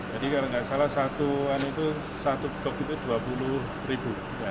jadi kalau nggak salah satuan itu satu stok itu rp dua puluh